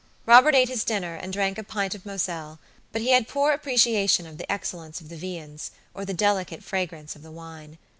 Robert ate his dinner, and drank a pint of Moselle; but he had poor appreciation of the excellence of the viands or the delicate fragrance of the wine.